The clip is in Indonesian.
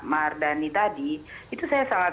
mardani tadi itu saya sangat